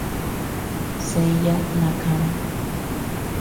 Seiya Nakano